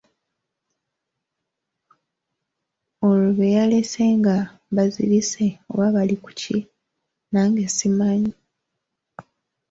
Olwo be yalese nga bazirirse oba baali ku ki, nange simanyi.